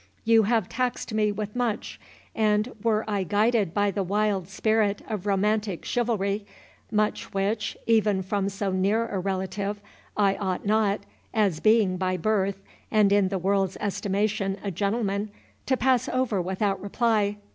You have taxed me with much, and, were I guided by the wild spirit of romantic chivalry, much which, even from so near a relative, I ought not, as being by birth, and in the world's estimation, a gentleman, to pass over without reply.